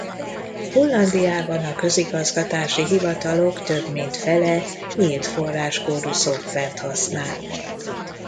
Hollandiában a közigazgatási hivatalok több mint fele nyílt forráskódú szoftvert használ.